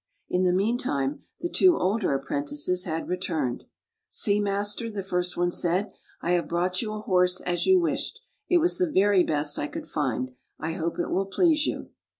In the meantime the two older apprentices had returned. "See, master," the first one said, " I have brought you a horse, as you wished. It was the very best I could find. I hope it will please you."